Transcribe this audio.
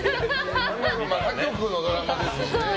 他局のドラマですよ。